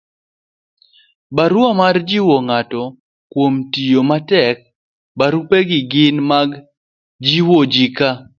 barua mar jiwo ng'ato kuom tiyo matek. barupegi gin mag jiwo ji ka